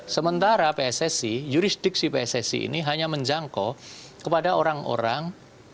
sementara pssi jurisdiksi pssi ini hanya menjangkau kepada orang orang